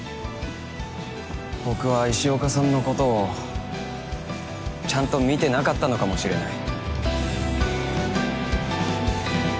僕は石岡さんのことをちゃんと見てなかったのかもしれない。